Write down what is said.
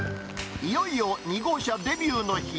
いよいよ２号車デビューの日。